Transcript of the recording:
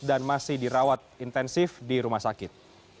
dan masih dirawat intensif di rumah sakit